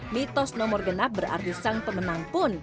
mitos nomor genap berarti sang pemenang pun